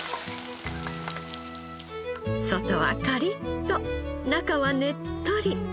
外はカリッと中はねっとり。